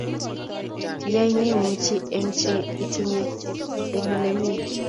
Yai nemuchi eng che itinye eng ole imi